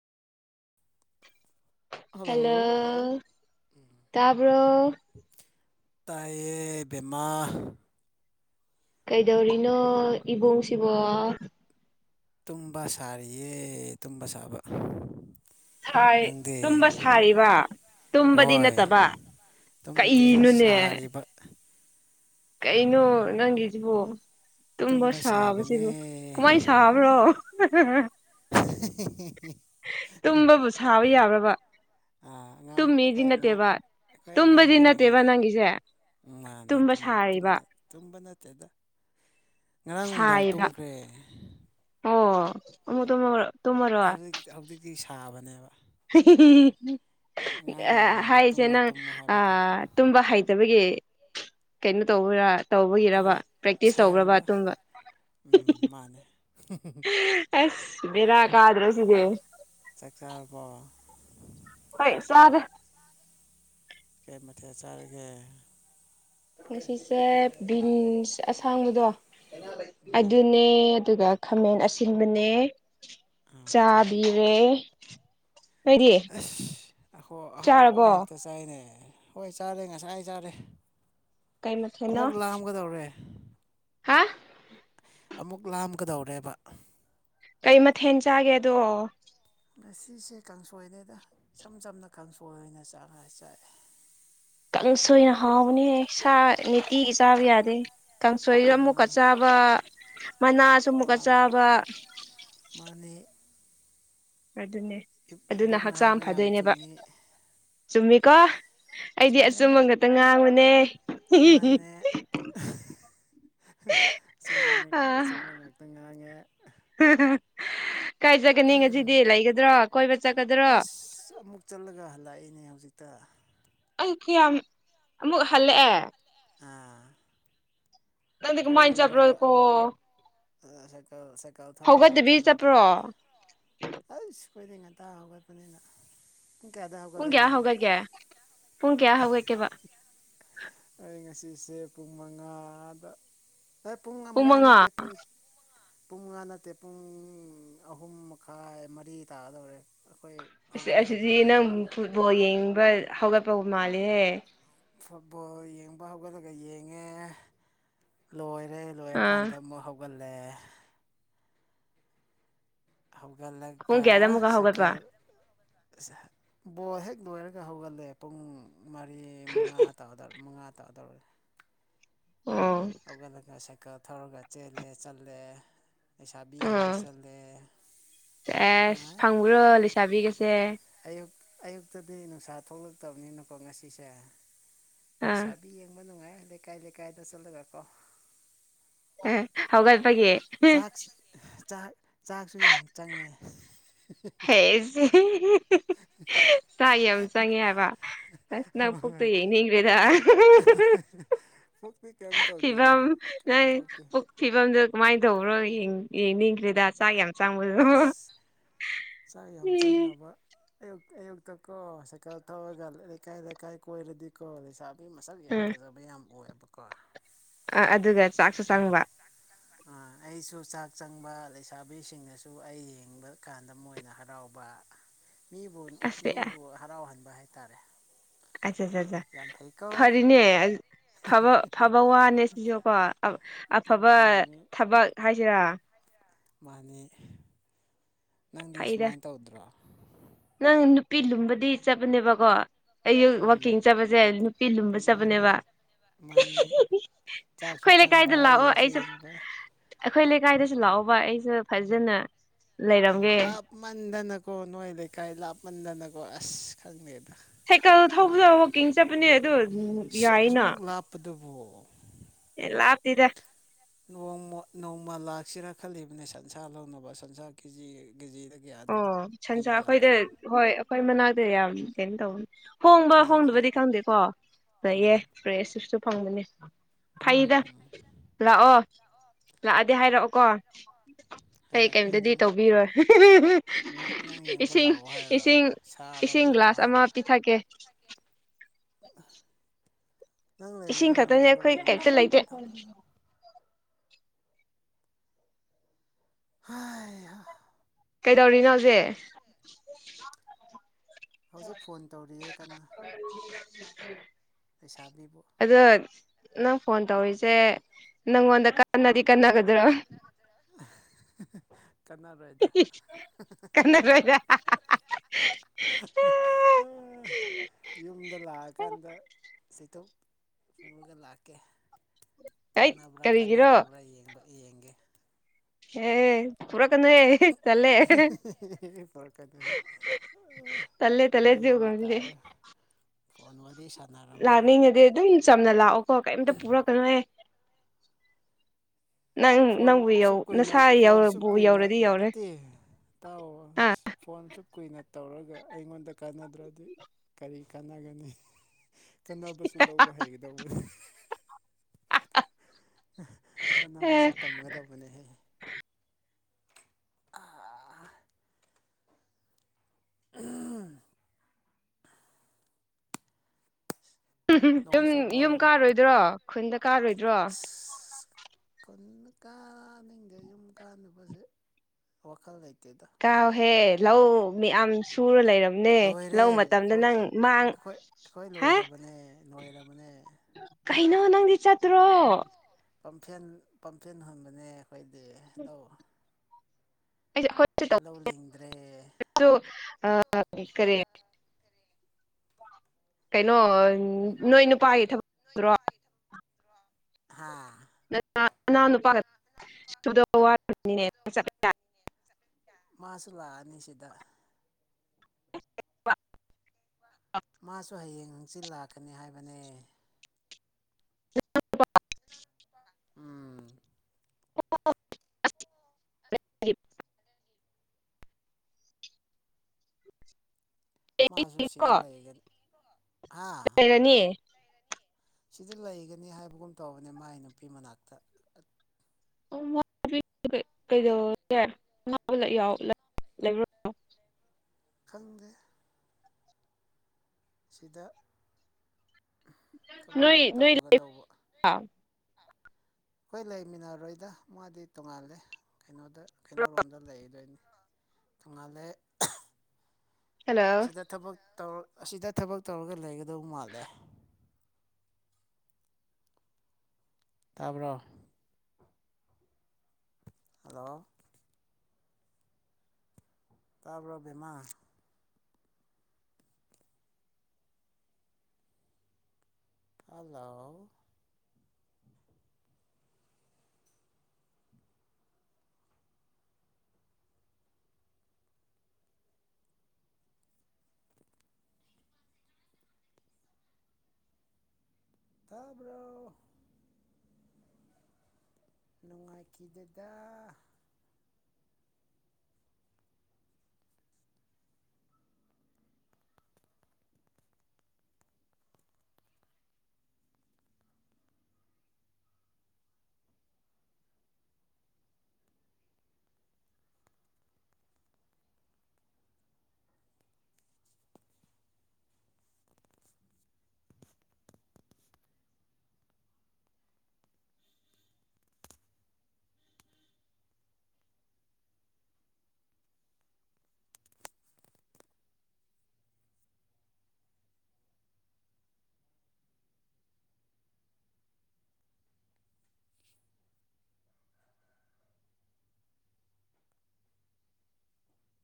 hello ꯇꯥꯕ꯭ꯔꯣ ꯇꯥꯏꯌꯦ ꯕꯦꯝꯃꯥ ꯀꯩꯗꯧꯔꯤꯅꯣ ꯏꯕꯨꯡꯁꯤꯕꯣ ꯇꯨꯝꯕ ꯁꯥꯔꯤꯌꯦ ꯇꯨꯝꯕ ꯁꯥꯕ ꯁꯥꯏ ꯅꯪꯗꯤ ꯇꯨꯝꯕ ꯁꯥꯔꯤꯕ ꯇꯨꯝꯕꯗꯤ ꯍꯣꯏ ꯅꯠꯇꯕ ꯇꯨꯝꯗꯦ ꯀꯩꯅꯣꯅꯦ ꯁꯥꯔꯤꯕ ꯀꯩꯅꯣ ꯅꯪꯒꯤꯁꯤꯕꯨ ꯇꯨꯝꯕ ꯁꯥꯕꯁꯤꯕꯨ ꯀꯃꯥꯏꯅ ꯁꯥꯕ꯭ꯔꯣ ꯎ [inaudible] ꯇꯨꯝꯕꯕꯨ ꯁꯥꯕ ꯌꯥꯕ꯭ꯔꯥꯕ ꯑꯥ ꯑꯉꯥꯡ ꯑꯩꯈꯣꯏ ꯑꯉꯥꯡ ꯑꯩꯈꯣꯏ ꯑꯉꯥꯡ ꯇꯨꯝꯕꯗꯤ ꯅꯠꯇꯦꯕ ꯑꯣꯏꯔꯤꯉꯩ ꯅꯪꯒꯤꯁꯦ ꯃꯥꯅꯦ ꯇꯨꯝꯕ ꯇꯨꯝ ꯁꯥꯔꯤꯕ ꯇꯨꯝꯅ ꯇꯨꯝꯕ ꯅꯠꯇꯦꯗ ꯉꯔꯥꯡ ꯅꯨꯡꯗꯥꯡ ꯁꯥꯏꯌꯦꯕ ꯇꯨꯝꯈ꯭ꯔꯦ ꯑꯣ ꯑꯃꯨ ꯇꯨꯝꯃꯔ ꯍꯧꯖꯤꯛ ꯍꯧꯖꯤꯛꯇꯤ ꯁꯥꯕꯅꯦꯕ ꯑꯉꯥꯡ ꯑꯣꯏꯔꯤꯉꯩꯗ ꯍꯥꯏꯁꯦ ꯇꯨꯝꯃꯣ ꯅꯪ ꯇꯨꯝꯃꯣ ꯍꯥꯏꯕꯗꯣ ꯑꯥ ꯇꯨꯝꯕ ꯍꯩꯇꯕꯒꯤ ꯀꯩꯅꯣ ꯇꯧꯕꯩꯔꯥ ꯇꯧꯕꯒꯤꯔꯕ ꯍꯣꯏ ꯄ꯭ꯔꯦꯛꯇꯤꯁ ꯁꯥꯔꯤꯕ ꯇꯧꯈ꯭ꯔꯕ ꯇꯨꯝꯕ ꯎꯝ ꯃꯥꯅꯦ ꯑꯁ ꯕꯦꯔꯥ ꯀꯗ꯭ꯔꯣ ꯁꯤꯗꯦ ꯆꯥꯛ ꯆꯥꯔꯕꫭ ꯍꫭꯥ ꯆꯥꯔꯦ ꯀꯩ ꯃꯊꯦꯜ ꯆꯥꯔꯒꯦ ꯉꯁꯤꯁꯦ ꯕꯤꯟꯁ ꯑꯁꯥꯡꯕꯗꯣ ꯑꯗꯨꯅꯦ ꯑꯗꯨꯒ ꯈꯥꯃꯦꯟ ꯑꯁꯤꯟꯕꯅꯦ ꯑꯠꯆꯥ ꯆꯥꯕꯤꯔꯦ ꯅꯣꯏꯗꯤ ꯑꯁ ꯑꯩꯈꯣꯏ ꯑꯍꯥꯎꯕ ꯆꯥꯔꯕꯣ ꯉꯥꯛꯇ ꯆꯥꯏꯅꯦ ꯍꯣꯏ ꯆꯥꯔꯦ ꯉꯁꯥꯏ ꯆꯥꯔꯦ ꯀꯩ ꯃꯊꯦꯜꯅꯣ ꯑꯃꯨꯛ ꯂꯥꯝꯒꯗꯧꯔꯦ ꯍꯥ ꯑꯃꯨꯛ ꯂꯥꯝꯒꯗꯧꯔꯦꯕ ꯀꯩ ꯃꯊꯦꯜ ꯆꯥꯒꯦꯗꯣ ꯉꯁꯤꯁꯦ ꯀꯥꯡꯁꯣꯏꯅꯤꯗ ꯏꯁꯝ ꯆꯝꯅ ꯀꯥꯡꯁꯣꯏ ꯑꯣꯏꯅ ꯆꯥꯛꯉꯒ ꯆꯥꯏꯑꯦ ꯈꯪ ꯁꯣꯏꯅ ꯍꯥꯎꯕꯅꯦꯍꯦ ꯁꯥ ꯅꯤꯇꯤꯒꯤ ꯆꯥꯕ ꯌꯥꯗꯦ ꯀꯥꯡꯁꯣꯏꯁꯨ ꯑꯃꯨꯛꯀ ꯑꯥ ꯆꯥꯕ ꯃꯅꯥꯁꯨ ꯑꯃꯨꯛꯀ ꯆꯥꯕ ꯃꯥꯅꯦ ꯑꯗꯨꯅꯦ ꯑꯗꯨꯅ ꯏꯕꯣꯛꯅ ꯍꯛꯆꯥꯡ ꯍꯥꯏꯕ ꯌꯥꯝ ꯐꯗꯣꯏꯅꯦꯕ ꯆꯨꯝꯃꯤ ꯆꯨꯝꯃꯤꯀꯣ ꯑꯩꯗꯤ ꯆꯨꯝꯃꯦ ꯑꯆꯨꯝꯕ ꯈꯛꯇ ꯉꯥꯡꯕꯅꯦ ꯆꯨꯝꯕ ꯉꯥꯛ ꯑ ꯑꯆꯨꯝꯕ ꯉꯥꯛꯇ ꯉꯥꯡꯉꯦ ꯀꯥꯏ ꯖꯒꯅꯤ ꯉꯁꯤꯗꯤ ꯂꯩꯒꯗ꯭ꯔꯣ ꯀꯣꯏꯕ ꯆꯠꯀꯗ꯭ꯔꯣ ꯑꯁ ꯑꯃꯨꯛ ꯆꯠꯂꯒ ꯍꯜꯂꯛꯏꯅꯦ ꯍꯧꯖꯤꯛꯇ ꯑꯩꯀꯤꯌꯥꯝ ꯑꯃꯨꯛ ꯍꯜꯂꯛꯑꯦ ꯑ ꯅꯪꯗꯤ ꯀꯃꯥꯏꯅ ꯀꯣꯏꯔꯨꯔꯒ ꯆꯠꯄ꯭ꯔꯣꯀꯣ ꯑ ꯁꯥꯏꯀꯜ ꯁꯥꯏꯀꯜ ꯊꯧꯔꯒ ꯍꯧꯒꯠꯇꯕꯤ ꯀꯩꯅꯣꯗ ꯆꯠꯄ꯭ꯔꯣ ꯑꯩꯁ ꯑꯈꯣꯏꯗꯤ ꯉꯟꯇꯥ ꯍꯧꯒꯠꯄꯅꯤꯅ ꯄꯨꯡ ꯀꯌꯥꯗ ꯄꯨꯡ ꯍꯧꯒꯠꯂꯦ ꯀꯌꯥ ꯅꯪ ꯍꯧꯒꯠꯀꯦ ꯄꯨꯡ ꯀꯌꯥ ꯍꯧꯒꯠꯀꯦꯕ ꯑꯩ ꯉꯁꯤꯁꯦ ꯄꯨꯡ ꯃꯉꯥꯗ ꯍꯦ ꯄꯨꯡ ꯃꯉꯥ ꯅꯠꯇꯦ ꯄꯨꯡ ꯄꯨꯡ ꯃꯉꯥ ꯄꯨꯡ ꯃꯉꯥ ꯅꯠꯇꯦ ꯄꯨꯡ ꯑꯍꯨꯝ ꯃꯈꯥꯏ ꯃꯔꯤ ꯇꯥꯗꯧꯔꯦ ꯑꯩꯈꯣꯏ ꯏꯁ ꯍꯧꯒꯠꯂꯒ ꯑꯁꯤꯗꯤ ꯕꯣꯜ ꯅꯪ ꯌꯦꯡꯕꯗꯣ ꯐꯨꯠꯕꯣꯜ ꯌꯦꯡꯕ ꯍꯧꯒꯠꯄꯕꯨ ꯃꯥꯜꯂꯦꯍꯦ ꯐꯨꯠꯕꯣꯜ ꯌꯦꯡꯕ ꯍꯧꯒꯠꯂꯒ ꯌꯦꯡꯉꯦ ꯂꯣꯏꯔꯦ ꯂꯣꯏꯔꯀꯥꯟꯗ ꯑꯥ ꯑꯃꯨꯛ ꯍꯧꯒꯠꯂꯦ ꯄꯨꯡ ꯍꯧꯒꯠꯂꯒ ꯀꯌꯥꯗ ꯑꯃꯨꯛꯀ ꯍꯧꯒꯠꯄ ꯁꯥꯏꯀꯜ ꯕꯣꯜ ꯍꯦꯛ ꯂꯣꯏꯔꯒ ꯍꯧꯒꯠꯂꯦ ꯄꯨꯡ ꯃꯔꯤ ꯃꯉꯥ ꯇꯗꯧ ꯃꯉꯥ ꯇꯥꯗꯧꯔꯦ ꯑꯣ ꯍꯧꯒꯠꯂꯒ ꯁꯦ ꯀ ꯊꯧꯔꯒ ꯆꯦꯜꯂꯦ ꯆꯠꯂꯦ ꯂꯩꯁꯥꯕꯤ ꯌꯦꯡꯕ ꯑꯣ ꯆꯠꯂꯦ ꯅꯨꯡꯉꯥꯏ ꯄꯨꯔꯣ ꯆꯥꯕꯤꯀꯁꯦ ꯑꯌꯨꯛ ꯑꯌꯨꯛꯇꯗꯤ ꯅꯨꯡꯁꯥ ꯊꯣꯛꯂꯛꯇꯕꯅꯤꯅꯀꯣ ꯉꯁꯤꯁꯦ ꯑꯥ ꯂꯩꯁꯥꯕꯤ ꯌꯦꯡꯕ ꯅꯨꯡꯉꯥꯏ ꯂꯩꯀꯥꯏ ꯂꯩꯀꯥꯏꯗ ꯆꯠꯂꯒ ꯀꯣ ꯑꯦ ꯍꯧꯒꯠꯄꯒꯤ ꯆꯥꯛꯁ ꯆꯥꯛ ꯆꯥꯛꯁꯨ ꯌꯥꯝ ꯆꯪꯉꯦ ꯍꯦꯖ ꯍꯥ ꯆꯥꯛ ꯌꯥꯝ ꯆꯡꯉꯦ ꯍꯥꯏꯕ ꯑꯥꯁ ꯅꯪ ꯍꯣꯏ ꯄꯨꯛꯇꯣ ꯍꯣꯏ ꯌꯦꯟꯅꯤꯡꯒꯔ꯭ꯦꯗ ꯄꯨꯛꯇꯤ ꯀꯩꯝꯇ ꯐꯤꯕꯝ ꯅꯪ ꯄꯨꯛ ꯐꯤꯕꯝꯗꯨ ꯀꯃꯥꯏ ꯇꯧꯕ꯭ꯔꯣ ꯌꯦꯡꯅꯤꯡꯈ꯭ꯔꯦꯗ ꯆꯥꯛ ꯌꯥꯝ ꯆꯪꯕꯗꯣ ꯑꯁ ꯆꯥꯛ ꯌꯥꯝ ꯆꯪꯅꯕ ꯑꯌꯨꯛ ꯑꯌꯨꯛꯇꯀꯣ ꯁꯥꯏꯀꯜ ꯊꯧꯔꯒꯥ ꯂꯩꯀꯥꯏ ꯂꯩꯀꯥꯏ ꯀꯣꯏꯔꯗꯤ ꯀꯣ ꯂꯩꯁ ꯕꯤ ꯃꯁꯛ ꯌꯥꯝ ꯎꯝ ꯐꯖꯕ ꯌꯥꯝ ꯎꯏꯌꯦꯕꯥꯀꯣ ꯑ ꯑꯗꯨꯒ ꯆꯥꯛꯁꯨ ꯆꯪꯕ ꯎꯝ ꯑꯩꯁꯨ ꯆꯥꯛ ꯆꯪꯕ ꯂꯩꯁꯥꯕꯤꯁꯤꯡꯅꯁꯨ ꯑꯩ ꯌꯦꯡꯕ ꯀꯥꯟꯗ ꯃꯣꯏꯅ ꯍꯔꯥꯎꯕ ꯃꯤꯕꯨ ꯑꯁ ꯃꯤꯕꯨ ꯍꯔꯥꯎꯍꯟꯕ ꯍꯥꯏꯇꯥꯔꯦ ꯑꯆꯥꯆꯥꯆꯥ ꯌꯥꯝ ꯐꯩꯀꯣ ꯐꯔꯤꯅꯦ ꯑꯥ ꯐꯕ ꯐꯕ ꯋꯥꯅꯦ ꯁꯤꯁꯨꯀꯣ ꯑ ꯑꯐꯕ ꯃꯥꯅꯤ ꯊꯕꯛ ꯍꯥꯏꯁꯤꯔꯥ ꯃꯥꯅꯤ ꯅꯪꯗꯤ ꯐꯩꯗ ꯁꯨꯃꯥꯏꯟ ꯇꯧꯗ꯭ꯔꯣ ꯅꯪ ꯅꯨꯄꯤ ꯂꯨꯝꯕꯗꯤ ꯆꯠꯄꯅꯦꯕꯀꯣ ꯑꯌꯨꯛ ꯎꯝ ꯋꯥꯛꯀꯤꯡ ꯆꯠꯄꯁꯦ ꯅꯨꯄꯤ ꯂꯨꯝꯕ ꯃꯥꯅꯤ ꯆꯠꯄꯅꯦꯕ ꯃꯥꯅꯤ ꯆꯥꯛꯁꯨ ꯑꯩꯈꯣꯏ ꯂꯩꯀꯥꯏꯗ ꯆꯪꯕ ꯂꯥꯛꯑꯣ ꯌꯦꯡꯁꯨ ꯑꯩꯁꯨ ꯌꯦꯡꯕ ꯑꯩꯈꯣꯏ ꯂꯩꯀꯥꯏꯗꯁꯨ ꯂꯥꯛꯑꯣꯕ ꯑꯩꯁꯨ ꯐꯖꯅ ꯑꯦ ꯂꯩꯔꯝꯒꯦ ꯂꯥꯞꯃꯟꯗꯅꯀꯣ ꯅꯣꯏ ꯂꯩꯀꯥꯏ ꯂꯥꯞꯃꯟꯗꯅꯀꯣ ꯑꯁ ꯈꯪꯗꯦꯗ ꯁꯥꯏꯀꯜ ꯊꯧꯕꯗꯣ ꯋꯥꯛꯀꯤꯡ ꯆꯠꯄꯅꯦ ꯑꯗꯨ ꯌꯥꯏꯅ ꯑꯁꯨꯃꯨꯛ ꯂꯥꯞꯄꯗꯨꯕꯨ ꯑꯦ ꯂꯥꯞꯇꯦꯗ ꯅꯣꯡꯃ ꯅꯣꯡꯃ ꯂꯥꯛꯁꯤꯔꯥ ꯈꯜꯂꯤꯕꯅꯦ ꯁꯟꯁꯥ ꯂꯧꯅꯕ ꯁꯟꯁꯥ ꯀꯦꯖꯤ ꯀꯦꯖꯤꯗ ꯑꯣ ꯁꯟꯁꯥ ꯑꯈꯣꯏꯗ ꯍꯣꯏ ꯑꯈꯣꯏ ꯃꯅꯥꯛꯇ ꯌꯥꯝ ꯀꯩꯅꯣ ꯇꯧꯕꯅꯤ ꯍꯣꯡꯕ ꯀꯦ ꯖꯤ ꯀꯌꯥ ꯍꯣꯡꯗꯕꯗꯤ ꯈꯪꯗꯦꯀꯣ ꯂꯩꯌꯦ ꯎꯝ ꯐ꯭ꯔꯦꯁ ꯆꯞꯁꯨ ꯐꯪꯕꯅꯤ ꯐꯩꯗ ꯎꯝ ꯂꯥꯛꯑꯣ ꯂꯥꯛꯑꯗꯤ ꯍꯥꯏꯔꯛꯑꯣꯀꯣ ꯀꯩ ꯍꯥꯏꯔꯛꯀꯦ ꯀꯩꯝꯇꯗꯤ ꯅꯪ ꯇꯧꯕꯤꯔꯣꯏ ꯅꯪ ꯅꯪ ꯌꯦꯡꯕ ꯏꯁꯤꯡ ꯂꯥꯛꯑꯣ ꯍꯥꯏꯔꯣ ꯏꯁꯤꯡ ꯁꯥ ꯏꯁꯤꯡ ꯂꯧꯕ ꯂꯥꯛꯑꯣ ꯒ꯭ꯂꯥꯁ ꯑꯃ ꯍꯥꯏꯔꯣ ꯄꯤꯊꯛꯀꯦ ꯅꯪ ꯏꯁꯤꯡ ꯂꯩꯕꯗꯣ ꯈꯛꯇꯅꯦ ꯑꯈꯣꯏ ꯀꯩꯝꯇ ꯅꯝꯗꯨꯂꯣꯡꯗꯅꯤꯀꯣ ꯂꯩꯇꯦ ꯍꯩꯍꯥꯥ ꯀꯩꯗꯧꯔꯤꯅꯣ ꯍꯧꯖꯤꯛ ꯍꯧꯖꯤꯛ ꯐꯣꯟ ꯇꯧꯔꯤꯑꯦ ꯀꯟꯅ ꯂꯩꯁꯥꯕꯤꯕꯨ ꯑꯗꯣ ꯅꯪ ꯐꯣꯟ ꯇꯧꯔꯤꯁꯦ ꯅꯪꯉꯣꯟꯗ ꯀꯟꯅꯗꯤ ꯀꯟꯅꯒꯗ꯭ꯔꯣ ꯀꯟꯅꯔꯣꯏ ꯀꯟꯅꯥꯔꯣꯏꯗ ꯌꯨꯝꯗ ꯂꯥꯛꯑꯀꯥꯟꯗ ꯆꯩꯇꯨꯞ ꯄꯨꯔꯒ ꯂꯥꯛꯀꯦ ꯑꯩ ꯀꯥꯟꯅꯕ꯭ꯔꯥ ꯀꯔꯤꯒꯤꯔꯣ ꯀꯥꯟꯅꯗꯕ꯭ꯔꯥ ꯌꯦꯡꯕ ꯌꯦꯡꯒꯦ ꯑꯦ ꯄꯨꯔꯀꯅꯨꯍꯦ ꯇꯜꯂꯦ ꯄꯨꯔꯛꯀꯅꯤ ꯇꯜꯂꯦ ꯇꯜꯂꯦ ꯌꯦꯡꯕ ꯑꯗꯨꯒꯨꯝꯕꯗꯤ ꯇꯥꯔꯦ ꯐꯣꯟ ꯋꯥꯔꯤ ꯁꯥ ꯂꯥꯛꯅꯤꯡꯉꯗꯤ ꯑꯗꯨꯝ ꯆꯝꯅ ꯂꯥꯛꯑꯣꯀꯣ ꯀꯩꯝꯇ ꯄꯨꯔꯛꯀꯅꯨꯍꯦ ꯅꯪ ꯐꯣꯟ ꯅꯪꯕꯨ ꯌꯧ ꯑꯁꯨꯛ ꯀꯨꯏꯅ ꯅꯁꯥ ꯐꯣꯟ ꯑꯁꯨꯛ ꯌꯧꯕꯨ ꯀꯨꯏꯅ ꯌꯧꯔꯗꯤ ꯌꯧꯔꯦ ꯅꯠꯇꯦ ꯇꯥꯛꯑꯣ ꯑꯥ ꯑꯁ ꯐꯣꯟ ꯑꯁꯨꯛ ꯀꯨꯏꯅ ꯇꯧꯔꯒ ꯑꯩꯉꯣꯟꯗ ꯀꯥꯟꯅꯗ꯭ꯔꯗꯤ ꯀꯔꯤ ꯀꯥꯟꯅꯒꯅꯤ ꯀꯥꯟꯅꯕꯁꯨ ꯂꯧꯕ ꯍꯩꯒꯗꯧꯕꯅꯤ ꯀꯥꯟꯅꯕꯁꯨ ꯑꯦ ꯇꯝꯒꯗꯕꯅꯦꯍꯦ [unintelligible] ꯅꯣꯡ ꯌꯨꯝ ꯆꯨꯕ꯭ꯔꯣ ꯌꯨꯝ ꯀꯥꯔꯣꯏꯗ꯭ꯔꯣ ꯈꯨꯟꯗ ꯀꯥꯔꯣꯏꯗ꯭ꯔꯣ ꯈꯨꯟ ꯀꯥꯅꯤꯡꯗꯦ ꯌꯨꯝ ꯀꯥꯟꯅꯕꯁꯦ ꯋꯥꯈꯜ ꯂꯩꯇꯦꯗ ꯀꯥꯎꯍꯦ ꯂꯧ ꯃꯤꯌꯥꯝ ꯁꯨꯔ ꯂꯩꯔꯝ ꯂꯣꯏꯔꯦ ꯑꯩꯈꯣꯏ ꯑꯩꯈꯣꯏ ꯑꯩꯈꯣꯏ ꯍꯥ ꯂꯣꯏꯔꯕꯅꯦ ꯂꯣꯏꯔꯕꯅꯦ ꯀꯩꯅꯣ ꯅꯪꯗꯤ ꯆꯠꯇ꯭ꯔꯣ ꯄꯝꯐꯦꯟ ꯄꯝꯐꯦꯟ ꯍꯨꯟꯕꯅꯦ ꯑꯩꯈꯣꯏꯗꯤ ꯂꯧ ꯑꯩꯗꯤ ꯑꯩꯈꯣꯏ ꯂꯧ ꯂꯤꯡꯗ꯭ꯔꯦ ꯑꯗꯨ ꯑꯥ ꯀꯔꯤ ꯀꯩꯅꯣ ꯀꯩꯅꯣ ꯅꯣꯏ ꯅꯨꯄꯥꯒꯤ ꯊꯕꯛ ꯅꯣꯏ ꯅꯨꯄꯥꯒꯤ ꯊꯥꯕꯛꯔꯣ ꯍꯥ ꯅꯅꯥꯎ ꯅꯨꯄꯥ [unintelligible] ꯃꯥꯁꯨ ꯂꯥꯛꯑꯅꯤ ꯁꯤꯗ ꯃꯥꯁꯨ ꯍꯌꯦꯡ ꯍꯪꯆꯤꯠ ꯂꯥꯛꯀꯅꯤ ꯍꯥꯏꯕꯅꯦ [unintelligible] ꯎꯝ [unintelligible] ꯃꯥꯁꯨ ꯆꯠꯂꯤꯀꯣ ꯁꯤꯗ ꯂꯩꯒꯅꯤ ꯍꯥꯥ ꯒꯅꯤ ꯁꯤꯗ ꯂꯩꯒꯅꯤ ꯍꯥꯏꯕꯒꯨꯝ ꯇꯧꯕꯅꯦ ꯃꯥꯏ ꯅꯨꯄꯤ ꯃꯅꯥꯛꯇ [unintelligible] ꯂꯩꯕ꯭ꯔꯣ ꯈꯪꯗꯦ ꯁꯤꯗ ꯊꯕꯛ ꯅꯣꯏ ꯅꯣꯏ ꯇꯧꯒꯗꯧꯕ ꯑꯈꯣꯏ ꯂꯩꯃꯤꯟꯅꯔꯣꯏꯗ ꯃꯥꯗꯤ ꯇꯣꯡꯉꯥꯜꯂꯦ ꯀꯩꯅꯣꯗ ꯀꯩꯅꯣꯔꯣꯝꯗ ꯂꯩꯗꯣꯏꯅꯦ ꯇꯣꯡꯉꯥꯜꯂꯦ ꯍꯜꯂꯣ ꯁꯤꯗ ꯊꯕꯛ ꯇꯧꯔ ꯑꯁꯤꯗ ꯊꯕꯛ ꯇꯧꯔꯒ ꯂꯩꯒꯗꯧ ꯃꯥꯜꯂꯦ ꯇꯥꯕ꯭ꯔꯣ ꯍꯜꯂꯣ ꯇꯥꯕꯔꯣ ꯕꯦꯝꯃꯥ ꯍꯜꯂꯣ ꯇꯥꯕꯔꯣ ꯅꯪꯡꯉꯥꯏꯈꯤꯗꯦꯗ